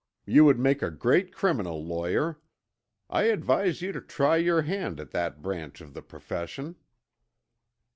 You would make a great criminal lawyer. I advise you to try your hand at that branch of the profession."